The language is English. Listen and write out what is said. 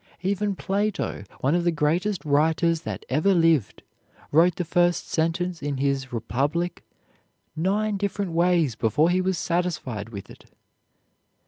Even Plato, one of the greatest writers that ever lived, wrote the first sentence in his "Republic" nine different ways before he was satisfied with it.